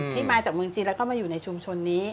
ที่มาจากเมืองจีนแล้วก็มาอยู่ในชุมชนนี้